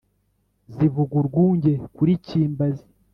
zivuga urwunge kuri cyimbazi